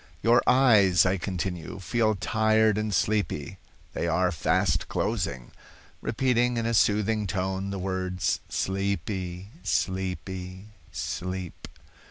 "'Your eyes,' I continue, 'feel tired and sleepy. They are fast closing' repeating in a soothing tone the words 'sleepy, sleepy, sleep.